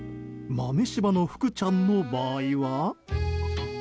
豆柴のフクちゃんの場合は。